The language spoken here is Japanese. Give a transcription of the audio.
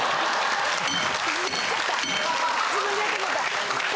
自分で言ってもうた。